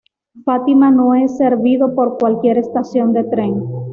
Fátima no es servido por cualquier estación de tren.